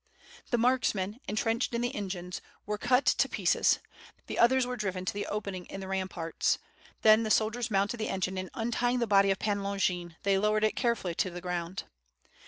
The marksmen, entrenched in the engines, were cut to pieces; the others were driven to the opening in the ramparts. Then the soldiers mounted the engine and untying the body of Pan Longin, they lowered it carefully to the ground.